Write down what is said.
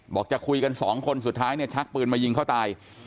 จะคุยกันสองคนสุดท้ายเนี่ยชักปืนมายิงเขาตาย